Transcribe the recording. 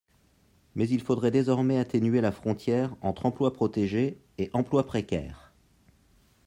Mais il faudrait désormais atténuer la frontière entre emplois protégés et emplois précaires.